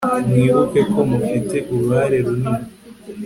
mwibuke ko mufite uruhare runini